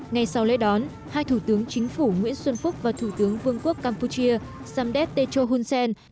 ngay sau lễ đón hai thủ tướng chính phủ nguyễn xuân phúc và thủ tướng vương quốc campuchia samdet techo hun sen